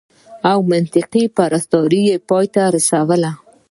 او منطقه پرستۍ پای ته رسول